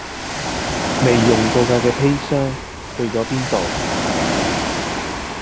未用過架嘅砒霜去咗邊度